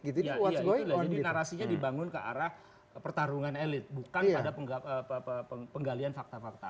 jadi narasinya dibangun ke arah pertarungan elit bukan pada penggalian fakta fakta